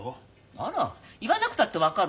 あら言わなくたって分かるわよ。